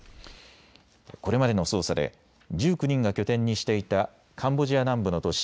これまでの捜査で１９人が拠点にしていたカンボジア南部の都市